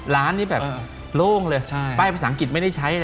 ร้านนี้แบบโล่งเลยป้ายภาษาอังกฤษไม่ได้ใช้นะ